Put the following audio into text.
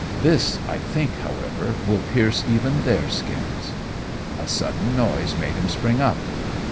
This I think, however, will pierce even their skins." A sudden noise made him spring up.